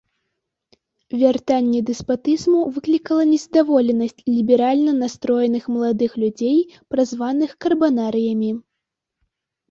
Вяртанне дэспатызму выклікала незадаволенасць ліберальна настроеных маладых людзей, празваных карбанарыямі.